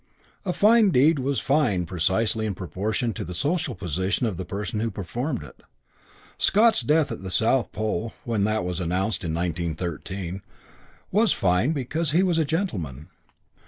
A fine deed was fine precisely in proportion to the social position of the person who performed it. Scott's death at the South Pole, when that was announced in 1913, was fine because he was a gentleman.